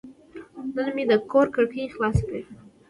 نن مې د کور کړکۍ خلاصې کړې.